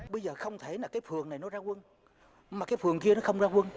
bây giờ không thể là cái phường này nó ra quân mà cái phường kia nó không ra quân